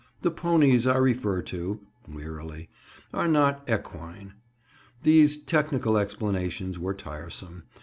"The ponies I refer to," wearily, "are not equine." These technical explanations were tiresome.